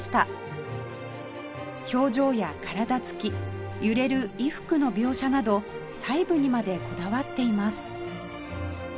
表情や体つき揺れる衣服の描写など細部にまでこだわっています